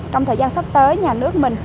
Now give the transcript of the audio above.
trong thời gian sắp tới nhà nước mình